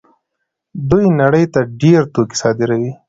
دوی نړۍ ته ډېر توکي صادروي.